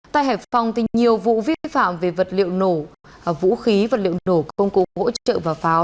tại hải phòng nhiều vụ vi phạm về vật liệu nổ vũ khí vật liệu nổ công cụ hỗ trợ và pháo